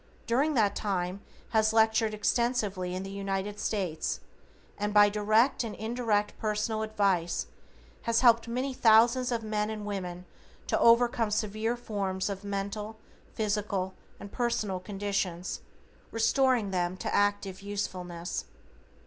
During that time has lectured extensively in the United States, and by direct and indirect personal advice has helped many thousands of men and women to overcome severe forms of mental, physical and personal conditions, restoring them to active usefulness.